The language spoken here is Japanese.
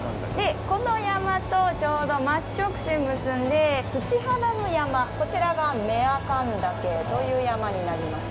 この山と、ちょうど真直線結んで土肌の山、こちらが雌阿寒岳という山になります。